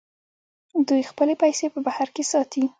دوی خپلې پیسې په بهر کې ساتي.